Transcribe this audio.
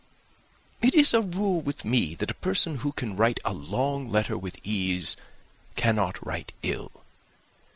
"It is a rule with me, that a person who can write a long letter with ease cannot write ill."